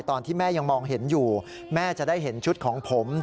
ตอนที่แม่ยังมองเห็นอยู่แม่จะได้เห็นชุดของผม